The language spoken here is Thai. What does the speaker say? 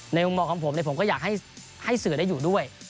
มุมมองของผมผมก็อยากให้สื่อได้อยู่ด้วย